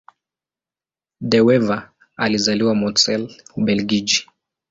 De Wever alizaliwa Mortsel, Ubelgiji.